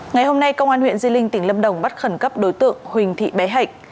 ngày hôm nay công an huyện di linh tỉnh lâm đồng bắt khẩn cấp đối tượng huỳnh thị bé hạnh